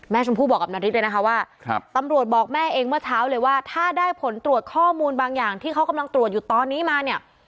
ชมพู่บอกกับนาริสเลยนะคะว่าตำรวจบอกแม่เองเมื่อเช้าเลยว่าถ้าได้ผลตรวจข้อมูลบางอย่างที่เขากำลังตรวจอยู่ตอนนี้มาเนี่ย